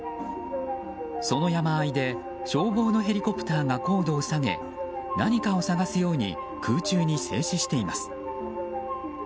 その山あいで消防のヘリコプターが高度を下げ何かを捜すように空中に静止しています。